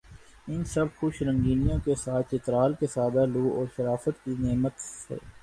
ان سب خوش رنگینیوں کے ساتھ چترال کے سادہ لوح اور شرافت کی نعمت سے